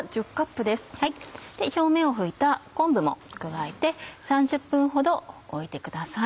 表面を拭いた昆布も加えて３０分ほど置いてください。